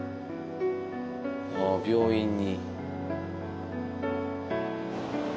あぁ病院に。